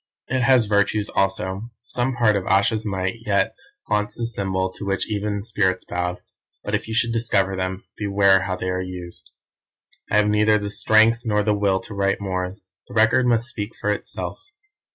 "It has virtues also; some part of Ayesha's might yet haunts the symbol to which even spirits bowed, but if you should discover them, beware how they are used. "I have neither the strength nor the will to write more. The Record must speak for itself.